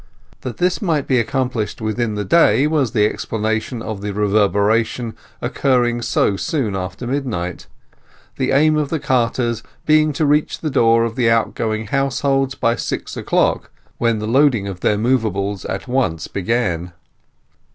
That this might be accomplished within the day was the explanation of the reverberation occurring so soon after midnight, the aim of the carters being to reach the door of the outgoing households by six o'clock, when the loading of their movables at once began.